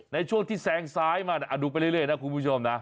ในช่วงที่แซงซ้ายมาดูไปเรื่อยนะคุณผู้ชมนะ